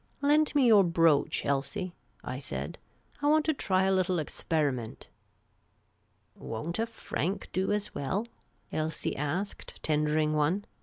" Lend me your brooch, Elsie," I said. I want to try a little experi ment." " Won't a franc do as well ?" Elsie asked, tendering one.